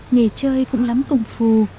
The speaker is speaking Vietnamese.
nghề chơi cũng lắm công phu